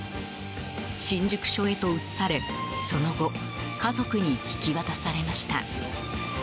新宿署へと移され、その後家族に引き渡されました。